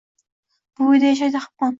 bu uyda yashaydi hamon